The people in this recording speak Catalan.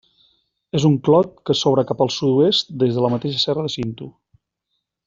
És un clot que s'obre cap al sud-oest des de la mateixa Serra de Cinto.